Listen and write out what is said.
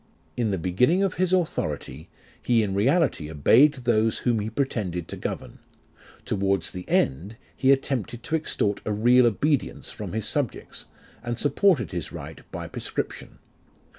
In the beginning of his authority, he in reality obeyed those whom he pretended to govern ; towards the end, he attempted to extort a real obedience from his subjects, and supported his right by prescription.